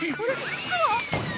靴は？